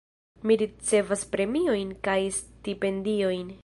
Mi ricevas premiojn kaj stipendiojn.